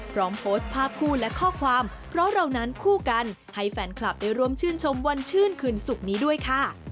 พร้อมโพสต์ภาพคู่และข้อความเพราะเรานั้นคู่กันให้แฟนคลับได้ร่วมชื่นชมวันชื่นคืนศุกร์นี้ด้วยค่ะ